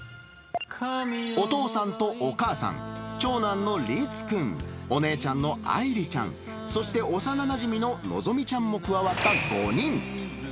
お父さんとお母さん、長男の理津君、お姉ちゃんのあいりちゃん、そして幼なじみの希実ちゃんも加わった５人。